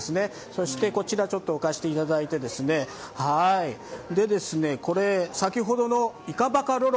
そしてこちら、置かせていただいて先ほどのイカバカロロ。